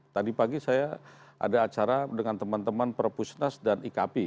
tadi pagi saya ada acara dengan teman teman perpusnas dan ikp